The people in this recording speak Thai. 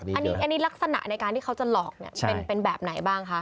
อันนี้ลักษณะในการที่เขาจะหลอกเนี่ยเป็นแบบไหนบ้างคะ